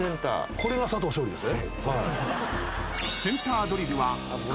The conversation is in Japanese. これが佐藤勝利ですね。